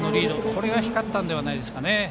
それが光ったんじゃないですかね。